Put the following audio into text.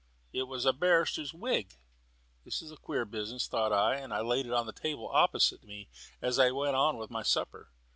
It was a barrister's wig. "This is a queer business," thought I; and I laid it on the table opposite me as I went on with my supper.